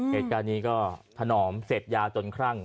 เหตุการณ์นี้ก็ถนอมเสพยาจนครั่ง